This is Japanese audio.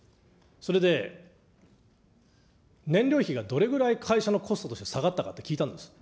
それで燃料費がどれぐらい会社のコストとして下がったのかって聞いたんです。